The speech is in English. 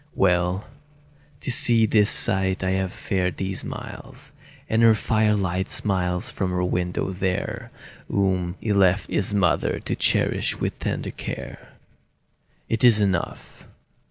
Well, to see this sight I have fared these miles, And her firelight smiles from her window there, Whom he left his mother to cherish with tender care! It is enough.